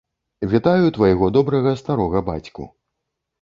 Вітаю твайго добрага старога бацьку.